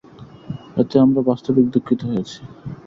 এতে আমরা বাস্তবিক দুঃখিত হয়েছি।